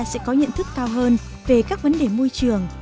sẽ có nhận thức cao hơn về các vấn đề môi trường